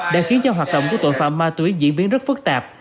đã khiến cho hoạt động của tội phạm ma túy diễn biến rất phức tạp